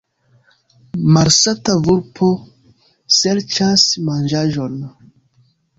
Malsata vulpo serĉas manĝaĵon.